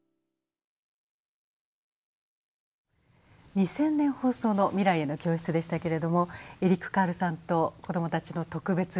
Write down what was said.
２０００年放送の「未来への教室」でしたけれどもエリック・カールさんと子どもたちの特別授業いかがでしたか？